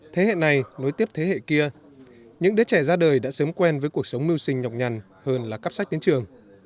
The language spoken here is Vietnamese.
thế hệ này nối tiếp thế hệ kia những đứa trẻ ra đời đã sớm quen với cuộc sống mưu sinh nhọc nhằn hơn là cắp sách đến trường